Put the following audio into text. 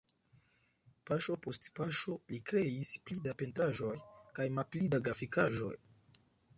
Paŝo post paŝo li kreis pli da pentraĵoj kaj malpli da grafikaĵoj.